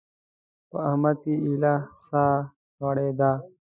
په احمد کې ايله سا غړېده.